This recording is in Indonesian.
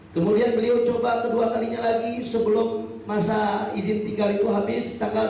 kemudian beliau coba kedua kalinya lagi sebelum masa izin tinggal itu habis